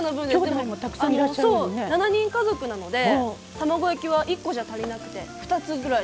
７人家族なので卵焼きは１コじゃ足りなくて２つぐらい卵。